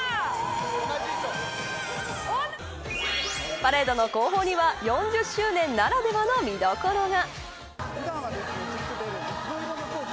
パレードの後方には４０周年ならではの見どころが。